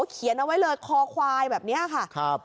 เขียนเอาไว้เลยคอควายแบบนี้ค่ะ